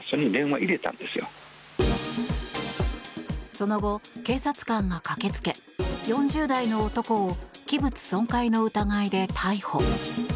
その後、警察官が駆けつけ４０代の男を器物損壊の疑いで逮捕。